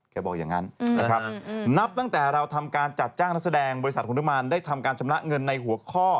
บอกอย่างนั้นนะครับนับตั้งแต่เราทำการจัดจ้างนักแสดงบริษัทฮุนุมานได้ทำการชำระเงินในหัวข้อ